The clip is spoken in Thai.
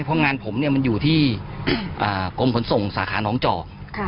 เพราะของงานของผมอยู่ที่กมผลส่งส่าคะนองจอก